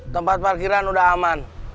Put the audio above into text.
tempat parkiran udah aman